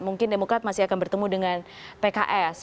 mungkin demokrat masih akan bertemu dengan pks